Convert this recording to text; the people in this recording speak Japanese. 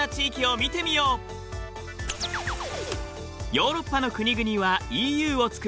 ヨーロッパの国々はＥＵを作り